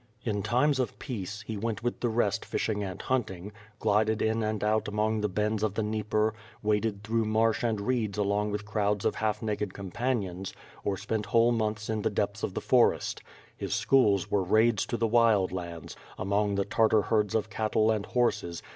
In times of peace, he went with the rest fishing and hunt ing, glided in and out among the bends of the Dnieper; waded through marsh and reeds along with crowds of half naked companions, or spent whole months in the depths of the for est. His schools were raids to the Wild Lands, among the Tartar herds of cattle and horses